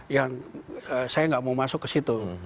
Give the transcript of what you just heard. yang saya nggak mau masuk ke situ